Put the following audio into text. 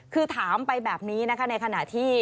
คือถามไปแบบนี้นะคะในขณะที่